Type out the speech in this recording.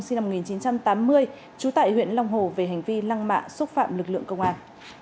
sinh năm một nghìn chín trăm tám mươi trú tại huyện long hồ về hành vi lăng mạ xúc phạm lực lượng công an